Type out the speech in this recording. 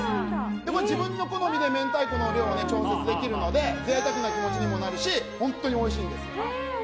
自分の好みで明太子の量を調節できるので贅沢な気持ちにもなるし本当においしいです。